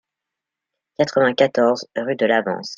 quatre-vingt-quatorze rue de l'Avance